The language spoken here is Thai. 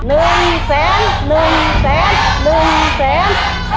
๑แสน๑แสน๑แสน๑แสน